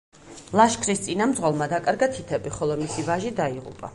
ლაშქრის წინამძღოლმა დაკარგა თითები, ხოლო მისი ვაჟი დაიღუპა.